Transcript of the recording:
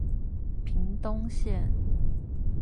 屏東縣